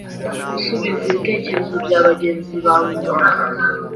gusubiza ibitekerezo bya bagenzi bawe inyuma